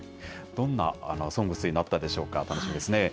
どんなＳＯＮＧＳになったでしょうか、楽しみですね。